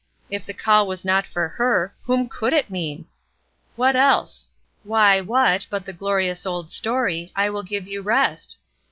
If the call was not for her, whom could it mean? What else? Why, what, but the glorious old story, "I will give you rest?"